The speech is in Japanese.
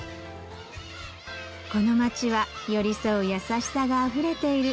この街は寄り添う優しさがあふれている